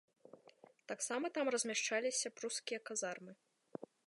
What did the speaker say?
Таксама там размяшчаліся прускія казармы.